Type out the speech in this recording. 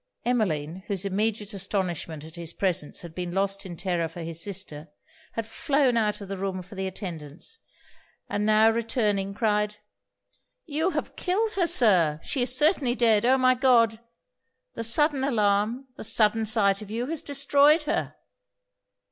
Emmeline, whose immediate astonishment at his presence had been lost in terror for his sister, had flown out of the room for the attendants, and now returning, cried 'You have killed her, Sir! She is certainly dead! Oh, my God! the sudden alarm, the sudden sight of you, has destroyed her!'